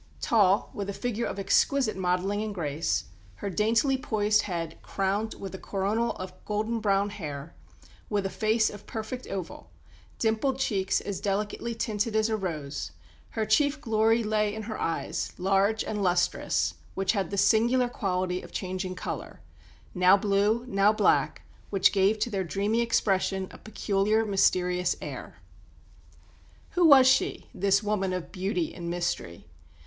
Tall, with a figure of exquisite modelling and grace, her daintily poised head crowned with a coronal of golden brown hair, with a face of perfect oval, dimpled cheeks as delicately tinted as a rose, her chief glory lay in her eyes, large and lustrous, which had the singular quality of changing colour "now blue, now black, which gave to their dreamy expression a peculiar, mysterious air." Who was she, this woman of beauty and mystery?